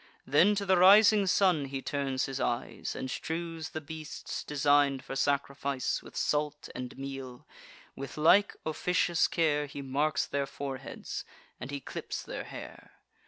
Then to the rising sun he turns his eyes, And strews the beasts, design'd for sacrifice, With salt and meal: with like officious care He marks their foreheads, and he clips their hair.